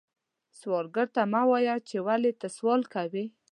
سوالګر ته مه وایې چې ولې ته سوال کوې